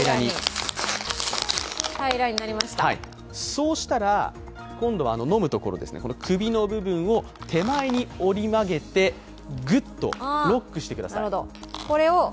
そうしたら、今度は飲むところ首の部分を手前に折り曲げてぐっとロックしてください。